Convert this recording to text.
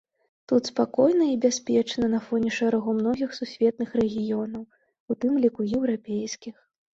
Тут спакойна і бяспечна на фоне шэрагу многіх сусветных рэгіёнаў, у тым ліку еўрапейскіх.